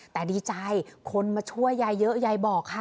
แต่ดีใจคนมาช่วยยายเยอะยายบอกค่ะ